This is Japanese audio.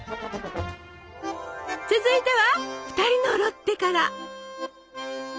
続いては「ふたりのロッテ」から！